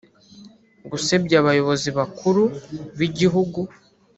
gusebya Abayobozi bakuru b’ Igihugu